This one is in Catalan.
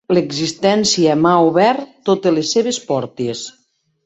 L'existència m'ha obert totes les seves portes.